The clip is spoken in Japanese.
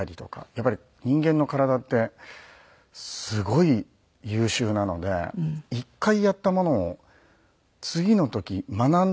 やっぱり人間の体ってすごい優秀なので１回やったものを次の時学んでいて。